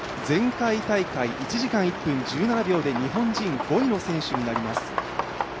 前回大会、１時間１分１７秒で日本人５位の選手になります。